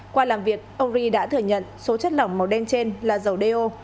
qua làm việc ông ri đã thừa nhận số chất lỏng màu đen trên là dầu do